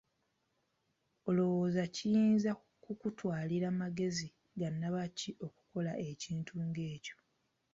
Olowooza kiyinza kukutwalira magezi ga nnabaki okukola ekinti ng'ekyo?